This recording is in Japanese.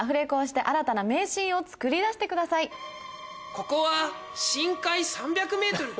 ここは深海３００ｍ。